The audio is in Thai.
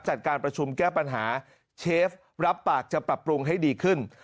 จัดการประชุมแก้ปัญหาเชฟรับปากจะปรับปรุงให้ดีขึ้น